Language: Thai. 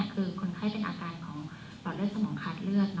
คือคนไข้เป็นอาการของหลอดเลือดสมองขาดเลือด